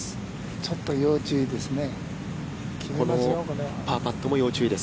ちょっと要注意ですね。